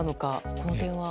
この辺は？